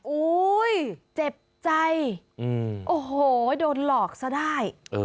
อุ้ยเจ็บใจโอ้โหโดนหลอกซะได้